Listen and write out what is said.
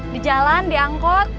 di jalan di angkot